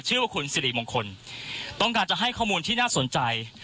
ชื่อว่าคุณสิริมงคลต้องการจะให้ข้อมูลที่น่าสนใจ